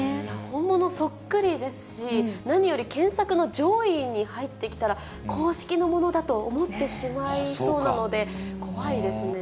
本物そっくりですし、何より検索の上位に入ってきたら、公式のものだと思ってしまいそうなので、怖いですね。